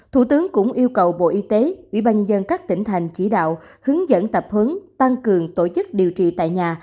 thủ tướng cũng yêu cầu bộ y tế ủy ban nhân dân các tỉnh thành chỉ đạo hướng dẫn tập hướng tăng cường tổ chức điều trị tại nhà